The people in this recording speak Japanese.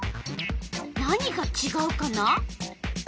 何がちがうかな？